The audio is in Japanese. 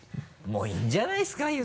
もういいんじゃないですか？